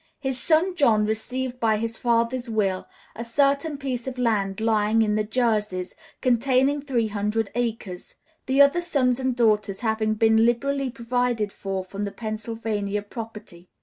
His son John received by his father's will "a certain piece of land lying in the Jerseys, containing three hundred acres," the other sons and daughters having been liberally provided for from the Pennsylvania property.